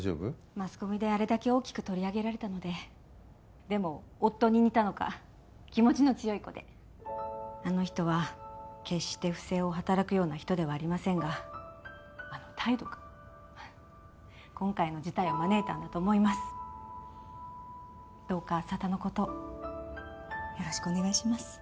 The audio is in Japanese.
マスコミであれだけ大きく取り上げられたのででも夫に似たのか気持ちの強い子であの人は決して不正を働くような人ではありませんがあの態度が今回の事態を招いたんだと思いますどうか佐田のことよろしくお願いします